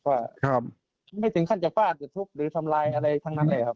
ว่าไม่ถึงขั้นจะฟาดจะทุบหรือทำลายอะไรทั้งนั้นเลยครับ